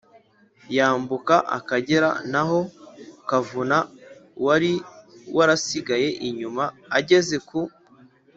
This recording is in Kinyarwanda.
yambuka akagera. naho kavuna wari warasigaye inyuma, ageze ku